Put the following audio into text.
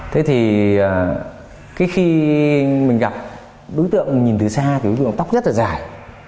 thế thì cái khi mình gặp đối tượng nhìn từ xa thì đối tượng tóc rất là dài